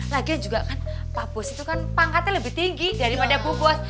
lagian juga kan pak bos itu kan pangkatnya lebih tinggi daripada bu bos